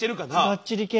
がっちり系。